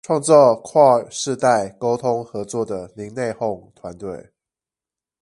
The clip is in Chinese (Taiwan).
創造跨世代溝通合作的零內鬨團隊